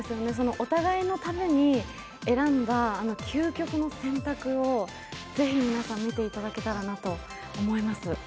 お互いのために選んだ究極の選択をぜひ皆さん見ていただけたらなと思います。